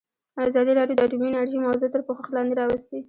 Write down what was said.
ازادي راډیو د اټومي انرژي موضوع تر پوښښ لاندې راوستې.